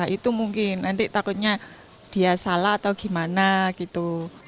itu mungkin nanti takutnya dia salah atau gimana gitu